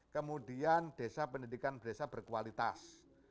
kemudian desa pendidikan berkualitas